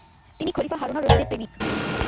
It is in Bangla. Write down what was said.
তিনি খলিফা হারুন আল রশিদের প্রেমিক।